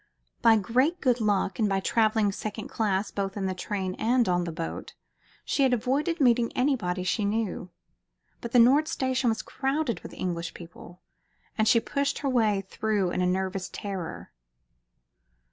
By great good luck, and by travelling second class both in the train and on the boat, she had avoided meeting anybody she knew. But the Nord Station was crowded with English people, and she pushed her way through in a nervous terror.